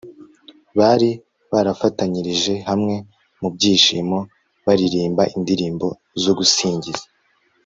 bari barafatanyirije hamwe mu byishimo baririmba indirimbo zo gusingiza